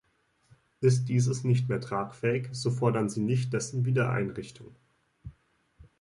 Ist dieses nicht mehr tragfähig, so fordern sie nicht dessen Wiedereinrichtung.